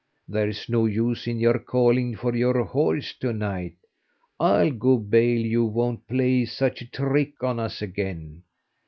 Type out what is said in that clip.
There's no use in your calling for your horse to night. I'll go bail you won't play such a trick on us again.